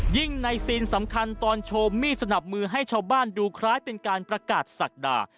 ในซีนสำคัญตอนโชว์มีดสนับมือให้ชาวบ้านดูคล้ายเป็นการประกาศศักดา